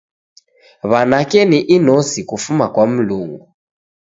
Wanake ni inosi kufuma kwa mlungu.